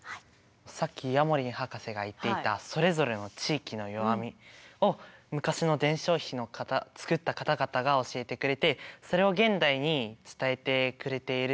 さっきヤモリン博士が言っていたそれぞれの地域の弱みを昔の伝承碑を作った方々が教えてくれてそれを現代に伝えてくれている。